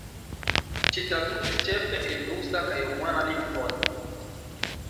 Ŝi tradukis ĉefe el rusa kaj rumana lingvoj.